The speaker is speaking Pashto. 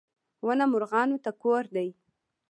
• ونه مرغانو ته کور دی.